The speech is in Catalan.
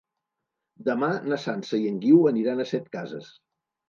Demà na Sança i en Guiu aniran a Setcases.